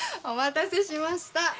お待たせしました。